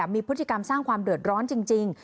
มีพฤติกรรมสร้างความเดือดร้อนจริง